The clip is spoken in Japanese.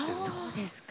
そうですか。